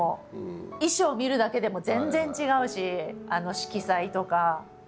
衣装見るだけでも全然違うし色彩とか。